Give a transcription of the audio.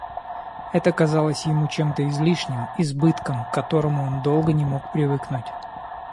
Это казалось ему чем-то излишним, избытком, к которому он долго не мог привыкнуть.